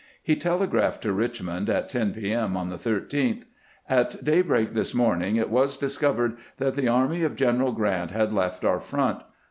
He telegraphed to Richmond at 10 p. M. on the 13th :" At daybreak this morning it was discovered that the army of Greneral G rant had left our front.